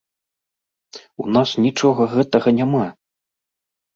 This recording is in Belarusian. У нас нічога гэтага няма!